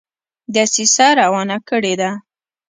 دسیسه روانه کړي ده.